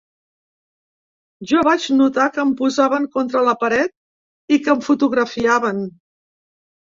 Jo vaig notar que em posaven contra la paret i que em fotografiaven.